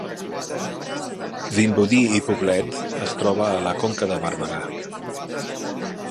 Vimbodí i Poblet es troba a la Conca de Barberà